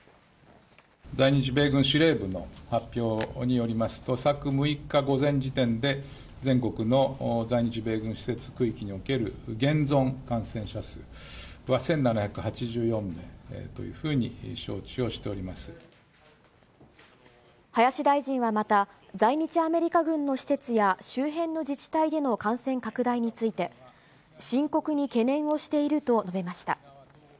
在日米軍司令部の発表によりますと、昨６日午前時点で、全国の在日米軍施設区域における現存感染者数は１７８４名という林大臣はまた、在日アメリカ軍の施設や周辺の自治体での感染拡大について、深刻に懸念をしていると述べました。